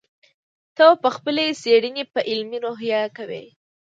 ته به خپلې څېړنې په علمي روحیه کوې.